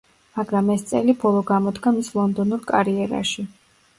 მაგრამ ეს წელი ბოლო გამოდგა მის ლონდონურ კარიერაში.